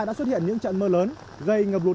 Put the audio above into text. đã xuất hiện những trận mưa lớn gây ngập lụt